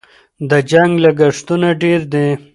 د جنګ لګښتونه ډېر دي.